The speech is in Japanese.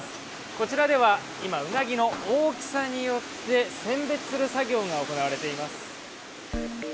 こちらでは今、ウナギの大きさによって選別する作業が行われています。